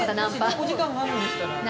お時間があるんでしたら。